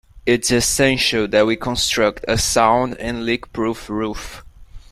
It's essential that we construct a sound and leakproof roof.